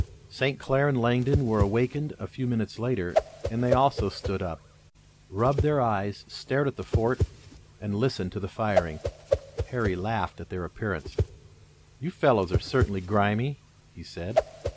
St. Clair and Langdon were awakened a few minutes later, and they also stood up, rubbed their eyes, stared at the fort and listened to the firing. Harry laughed at their appearance. "You fellows are certainly grimy," he said.